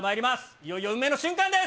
いよいよ運命の瞬間です！